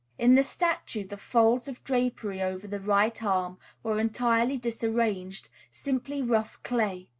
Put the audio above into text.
In the statue the folds of drapery over the right arm were entirely disarranged, simply rough clay.